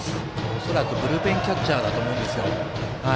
恐らくブルペンキャッチャーだと思います。